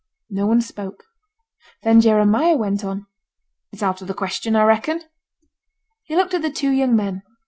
No one spoke. Then Jeremiah went on: 'It's out of the question, I reckon?' He looked at the two young men.